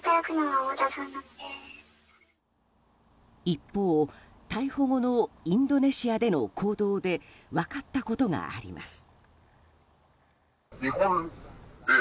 一方、逮捕後のインドネシアでの行動で分かったことがあります。